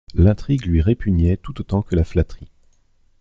L’intrigue lui répugnait, tout autant que la flatterie.